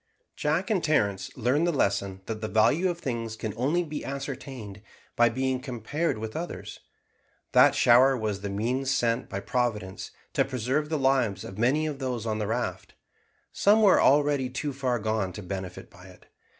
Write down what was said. Jack and Terence learned the lesson, that the value of things can only be ascertained by being compared with others. That shower was the means sent by Providence to preserve the lives of many of those on the raft. Some were already too far gone to benefit by it.